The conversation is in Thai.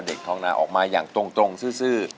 เด็กท้องนาออกมาอย่างตรงซื่อ